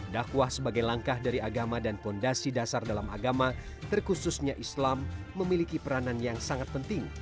dakwah sebagai langkah dari agama dan fondasi dasar dalam agama terkhususnya islam memiliki peranan yang sangat penting